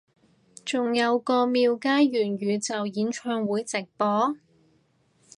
仲有個廟街元宇宙演唱會直播？